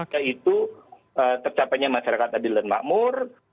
yaitu tercapainya masyarakat adil dan makmur